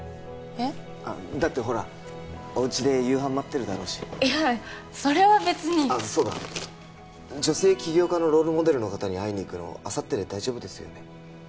えっ？だってほらおうちで夕飯待ってるだろうしいやそれは別にあっそうだ女性起業家のロールモデルの方に会いに行くのあさってで大丈夫ですよね？